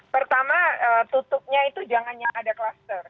pertama tutupnya itu jangan yang ada kluster